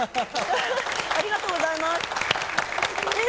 ありがとうございますえっ